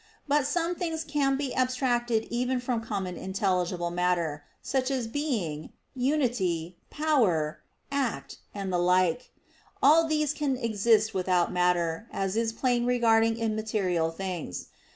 But some things can be abstracted even from common intelligible matter, such as "being," "unity," "power," "act," and the like; all these can exist without matter, as is plain regarding immaterial things.